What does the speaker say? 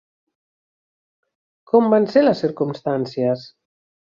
Com van ser les circumstàncies?